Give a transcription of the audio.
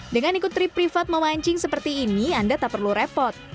dengan ikut trip privat memancing seperti ini anda tak perlu repot